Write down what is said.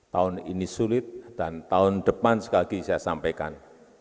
tahun ini sulit dan tahun depan sekali lagi saya sampaikan